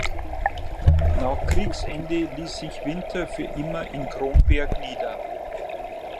Nach Kriegsende ließ sich Winter für immer in Kronberg nieder.